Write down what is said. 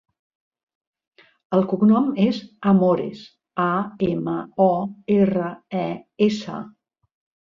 El cognom és Amores: a, ema, o, erra, e, essa.